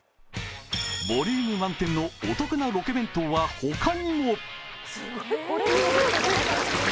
ボリューム満点のお得なロケ弁当は他にも。